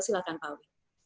silahkan pak awi